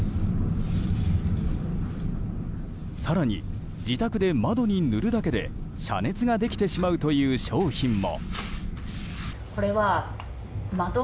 更に自宅で窓に塗るだけで遮熱ができてしまうという商品も。